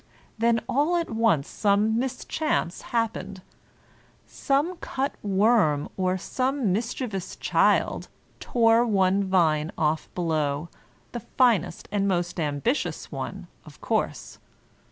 Then all at once some mischance happened, — some cut worm or some mischievous child tore one vine off below, the finest and most ambitious one, of course.